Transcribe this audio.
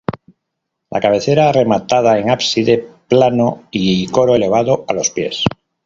La cabecera rematada en ábside plano y coro elevado a los pies.